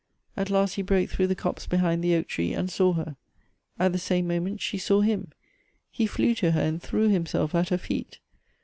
At last he broke through the copse behind the oak tree, and saw her. At the same moment she saw him. He flew to her, and threw himself at her feet.